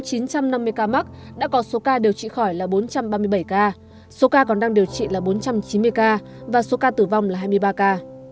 trong chín trăm năm mươi ca mắc đã có số ca điều trị khỏi là bốn trăm ba mươi bảy ca số ca còn đang điều trị là bốn trăm chín mươi ca và số ca tử vong là hai mươi ba ca